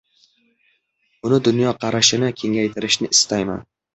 Uni dunyoqarashini kengaytirishini istayman.